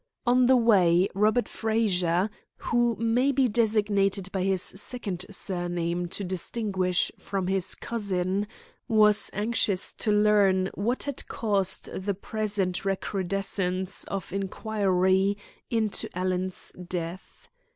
On the way Robert Frazer who may be designated by his second surname to distinguish him from his cousin was anxious to learn what had caused the present recrudescence of inquiry into Alan's death.